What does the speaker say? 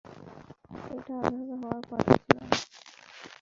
এটা এভাবে হওয়ার কথা ছিল না।